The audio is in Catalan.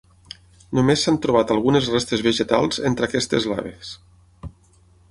Només s'han trobat algunes restes vegetals entre aquestes laves.